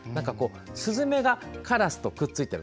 スズメがカラスとくっついてる。